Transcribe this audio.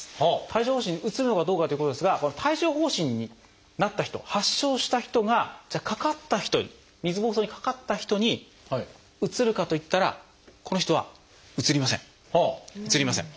帯状疱疹うつるのかどうかということですが帯状疱疹になった人発症した人がかかった人に水ぼうそうにかかった人にうつるかといったらこの人はうつりません。